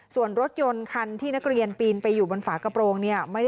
ส่วนรถยนต์คันที่นักเรียนปีนไปอยู่บนฝากระโปรงเนี่ย